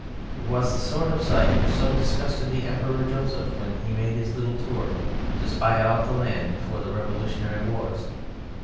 It was the sort of sight which so disgusted the Emperor Joseph when he made his little tour to spy out the land before the Revolutionary Wars.